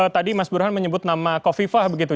tadi mas burhan menyebut nama ko vivah begitu